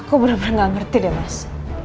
aku benar benar gak ngerti deh mas